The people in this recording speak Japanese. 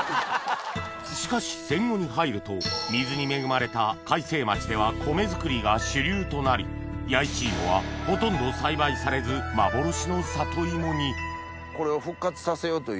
しかし戦後に入ると水に恵まれた開成町では米作りが主流となり弥一芋はほとんど栽培されず幻の里芋にこれを。